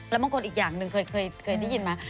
แล้วบางคนอีกอย่างหนึ่งเคยได้ยินไหม